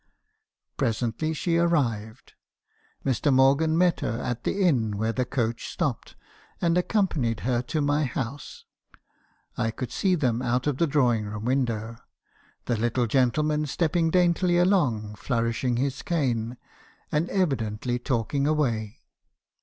"Presently she arrived. Mr. Morgan met her at the inn where the coach stopped, and accompanied her to my house. I could see them out of the drawing room window, the little gentleman stepping daintily along, flourishing his cane, and evidently talking away.